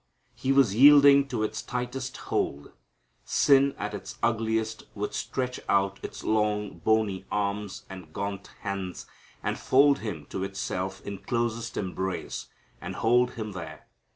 He was yielding to its tightest hold. Sin at its ugliest would stretch out its long, bony arms and gaunt hands, and fold Him to itself in closest embrace and hold Him there.